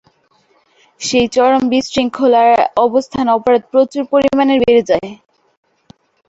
সেই চরম বিশৃঙ্খল অবস্থায় অপরাধ প্রচুর পরিমাণ বেড়ে গেলো।